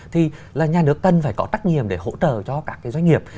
thì là nhà nước cần phải có trách nhiệm để hỗ trợ cho các cái doanh nghiệp